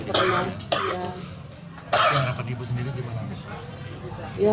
harapan ibu sendiri gimana